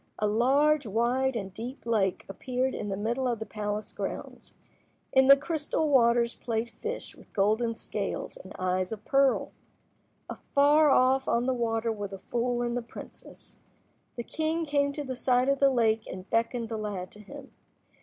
A large, wide, and deep lake appeared in the middle of the palace grounds. In the crystal waters played fish with golden scales and eyes of pearl. Afar off on the water were the fool and the princess. The king came to the side of the lake and beckoned the lad to him.